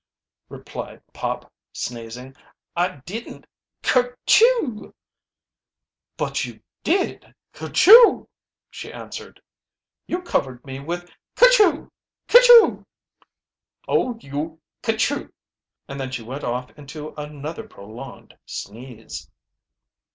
replied Pop, sneezing. "I didn't ker chew " "But you did ker chew!" she answered. "You covered me with ker chew! Ker chew!" "Oh, you ker chew!" and then she went off into another prolonged sneeze.